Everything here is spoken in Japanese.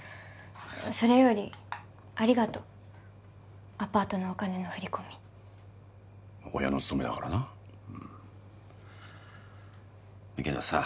それよりありがとうアパートのお金の振り込み親の務めだからなうんけどさ